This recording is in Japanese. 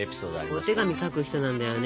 お手紙書く人なんだよね